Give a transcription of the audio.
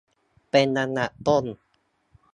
เป็นอันดับต้น